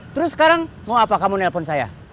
terus sekarang mau apa kamu nelfon saya